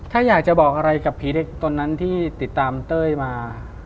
ถ้าอยากจะบอกอะไรกับผีเด็กตอนนั้นที่ติดตามเต้ยมา